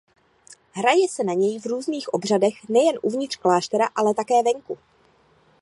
Hraje se na něj v různých obřadech nejen uvnitř kláštera ale také venku.